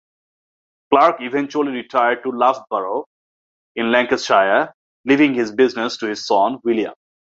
Clarke eventually retired to Loughborough in Leicestershire, leaving his business to his son, William.